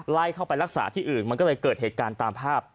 เข้าไปรักษาที่อื่นมันก็เลยเกิดเหตุการณ์ตามภาพ